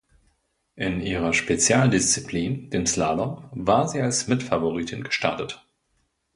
In ihrer Spezialdisziplin, dem Slalom, war sie als Mitfavoritin gestartet.